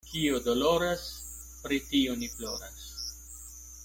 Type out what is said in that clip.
Kio doloras, pri tio ni ploras.